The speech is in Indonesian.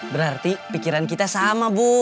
berarti pikiran kita sama bu